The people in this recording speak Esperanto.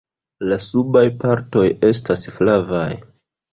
La subaj partoj estas flavaj.